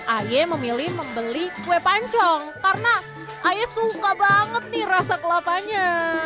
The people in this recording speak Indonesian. aye memilih membeli kue pancong karena ayah suka banget nih rasa kelapanya